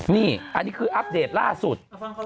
นี่อันนี้คืออัปเดตล่าสุด